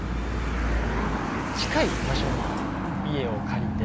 近い場所に家を借りて安い所を。